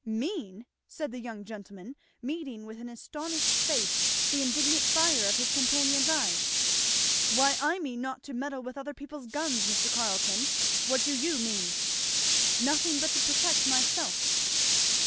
"Mean?" said the young gentleman, meeting with an astonished face the indignant fire of his companion's eyes, "why I mean not to meddle with other people's guns, Mr. Carleton. What do you mean?" "Nothing but to protect myself."